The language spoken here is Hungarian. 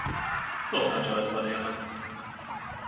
Los Angeles-ben élnek.